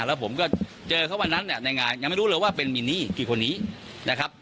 แล้วผมก็เจอเขาวันนั้นเนี่ยในงานยังไม่รู้เลยว่าเป็นมินนี่กี่คนนี้นะครับ